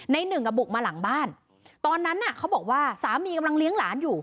หนึ่งอ่ะบุกมาหลังบ้านตอนนั้นน่ะเขาบอกว่าสามีกำลังเลี้ยงหลานอยู่